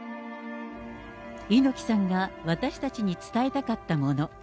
猪木さんが私たちに伝えたかったもの。